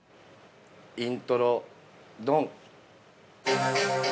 ◆イントロドン！